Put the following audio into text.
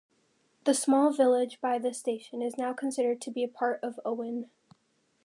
The small village by this station is now considered to be part of Owen.